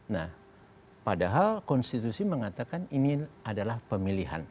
nah padahal konstitusi mengatakan ini adalah pemilihan